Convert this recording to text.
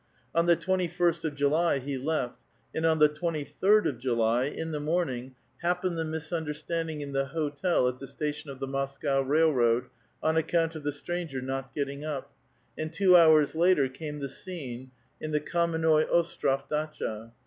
On the twenty first of July he left; and on the tiiventy third of July, in the morning, happened the misun derstanding in the hotel at the station of the Moscow rail :r*oad, on account of the stranger not getting up ; and two bours later came the scene in the Kamennoi Ostrof datcha.